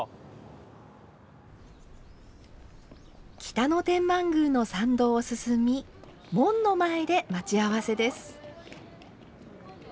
北野天満宮の参道を進み門の前で待ち合わせです。